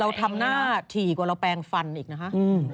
เราทำหน้าถี่กว่าเราแปลงฟันอีกนะคะ